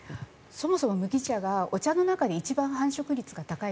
そもそも麦茶がお茶の中で一番繁殖率が高い。